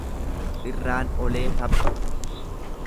Irraan olee tabba.